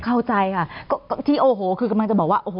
เข้าใจค่ะก็ที่โอ้โหคือกำลังจะบอกว่าโอ้โห